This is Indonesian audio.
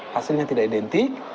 hasilnya tidak identik